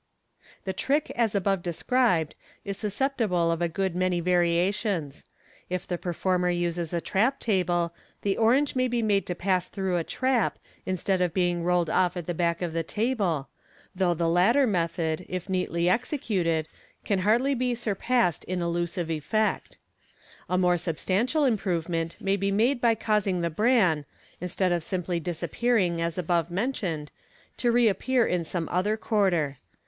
The trick as above described is susceptible of a good many varia tions. If the performer uses a trap table, the orange may be made to pass through a trap instead of being rolled off at the back of the table, though the latter method, if neatly executed, can hardly be surpassed in illusive effect. A more substantial improvement may be made by causing the bran, instead of simply disappearing as above mentioned, to reappear in some other quarter.